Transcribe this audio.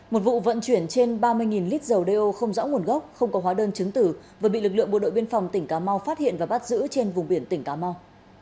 một vụ vận chuyển trên ba mươi lít dầu đeo không rõ nguồn gốc không có hóa đơn chứng tử vừa bị lực lượng bộ đội biên phòng tỉnh cà mau phát hiện và bắt giữ trên vùng biển tỉnh cà mau